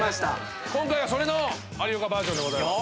今回はそれの有岡バージョンでございます。